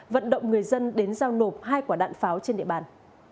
vận động người dân đến giao nộp hai quả đạn pháo trên địa bàn